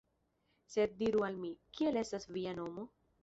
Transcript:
Sed diru al mi, kiel estas via nomo?